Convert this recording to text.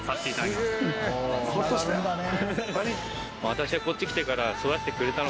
私がこっち来てから。